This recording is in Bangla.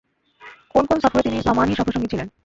কোন কোন সফরে তিনি সামআনীর সফরসঙ্গী ছিলেন।